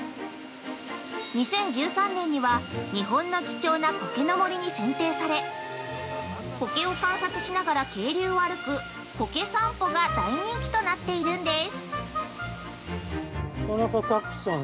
２０１３年には「日本の貴重なコケの森」に選定されコケを観察しながら渓流を歩く「コケさんぽ」が大人気となっているんです。